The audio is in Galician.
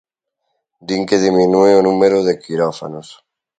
Din que diminúe o número de quirófanos.